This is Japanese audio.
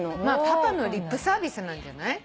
パパのリップサービスなんじゃない？